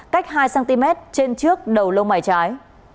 cách hai cm trên trước đầu lông mải trái